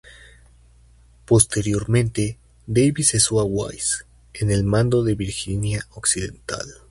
Posteriormente Davis cesó a Wise en el mando de Virginia occidental.